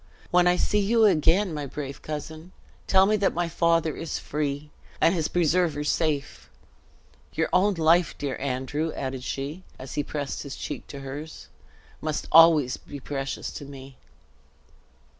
"When I see you again, my brave cousin, tell me that my father is free, and his preserver safe. Your own life, dear Andrew," added she, as he pressed his cheek to hers, "must always be precious to me."